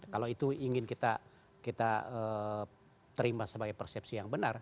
kalau itu ingin kita terima sebagai persepsi yang benar